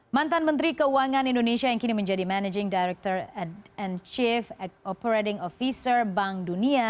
mantan menteri keuangan indonesia yang kini menjadi managing director and chief operating officer bank dunia